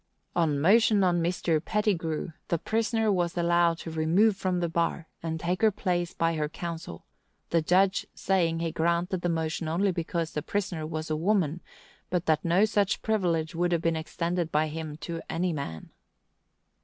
On motion of Mr. Petigru, the prisoner was allowed to remove from the bar, and take her place by her counsel; the judge saying he granted the motion only because the prisoner was a woman, but that no such privilege would have been extended by him to any man.